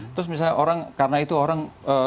terus misalnya orang karena itu orang